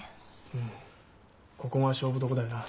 うんここが勝負どこだよな。